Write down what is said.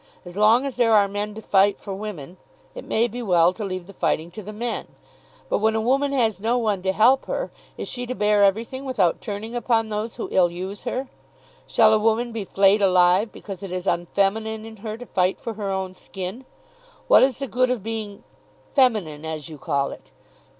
As long as there are men to fight for women, it may be well to leave the fighting to the men. But when a woman has no one to help her, is she to bear everything without turning upon those who ill use her? Shall a woman be flayed alive because it is unfeminine in her to fight for her own skin? What is the good of being feminine, as you call it?